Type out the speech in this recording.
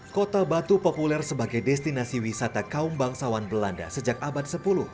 kota batu populer sebagai destinasi wisata kaum bangsawan belanda sejak abad sepuluh